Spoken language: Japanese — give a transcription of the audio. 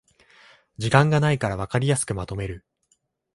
時間がないからわかりやすくまとめる